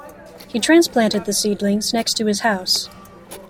He transplanted the seedlings next to his house.